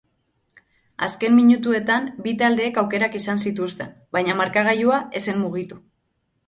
Azken minutuetan bi taldeek aukerak izan zituzten, baina markagailua ez zen mugitu.